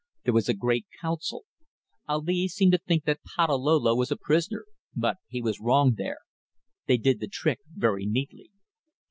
There was a great council. Ali seemed to think that Patalolo was a prisoner, but he was wrong there. They did the trick very neatly.